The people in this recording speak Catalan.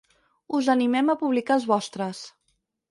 Us animem a publicar els vostres.